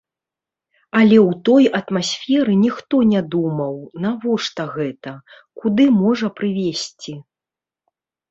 Але ў той атмасферы ніхто не думаў, навошта гэта, куды можа прывесці.